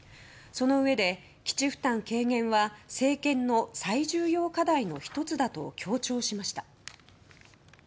そのうえで、基地負担軽減は政権の最重要課題の１つだと強調しました。